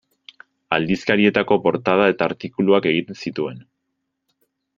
Aldizkarietako portada eta artikuluak egiten zituen.